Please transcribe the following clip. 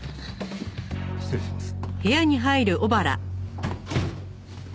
失礼します。